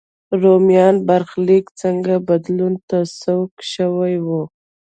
رومیانو برخلیک څنګه بدلون ته سوق شوی و.